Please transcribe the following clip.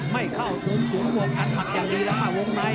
ไม่เข้าวงศูนย์ห่วงกันหมัดยังดีแล้วมาวงใน